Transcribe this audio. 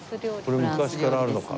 これ昔からあるのかな？